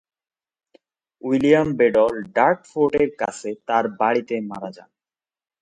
William Bedell ডার্টফোর্ডের কাছে তাঁর বাড়িতে মারা যান।